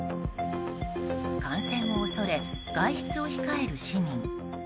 感染を恐れ外出を控える市民。